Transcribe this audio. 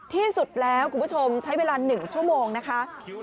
ที่สุดแล้วคุณผู้ชมใช้เวลา๑ชั่วโมงนะคะ